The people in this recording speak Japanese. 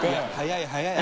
早い！